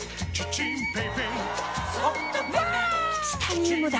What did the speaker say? チタニウムだ！